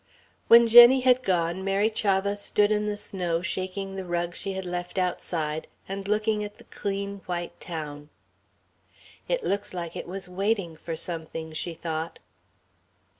When Jenny had gone, Mary Chavah stood in the snow shaking the rug she had left outside, and looking at the clean, white town. "It looks like it was waiting for something," she thought.